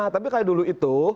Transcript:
tapi kayak dulu itu